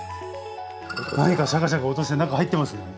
何かシャカシャカ音して何か入ってますよね。